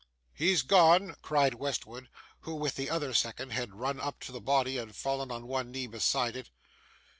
'He's gone!' cried Westwood, who, with the other second, had run up to the body, and fallen on one knee beside it.